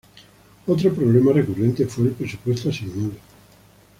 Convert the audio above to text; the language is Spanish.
Otro problema recurrente fue el presupuesto asignado.